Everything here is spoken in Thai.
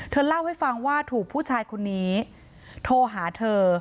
เล่าให้ฟังว่าถูกผู้ชายคนนี้โทรหาเธอ